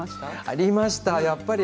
ありました、やっぱり。